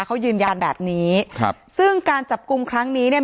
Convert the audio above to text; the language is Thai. เขายืนยันแบบนี้ครับซึ่งการจับกลุ่มครั้งนี้เนี่ย